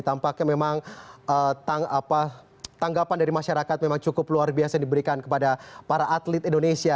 tampaknya memang tanggapan dari masyarakat memang cukup luar biasa yang diberikan kepada para atlet indonesia